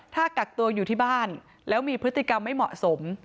ถ้ากักตัวอยู่ที่บ้านแล้วมีพฤติกรรมไม่เหมาะสม